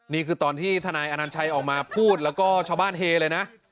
นี่คือตอนที่ทนายอนัญชัยออกมาพูดแล้วก็ชาวบ้านเฮเลยนะ